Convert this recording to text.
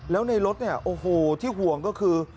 แล้วในรถโอโฮที่ห่วงก็คือ